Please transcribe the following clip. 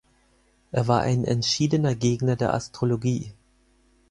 Er war ein entschiedener Gegner der Astrologie.